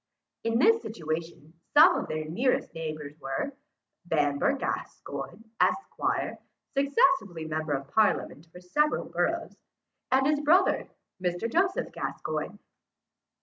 In this situation some of their nearest neighbours were, Bamber Gascoyne, esquire, successively member of parliament for several boroughs, and his brother, Mr. Joseph Gascoyne.